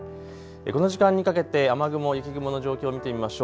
この時間にかけて雨雲、雪雲の状況を見てみましょう。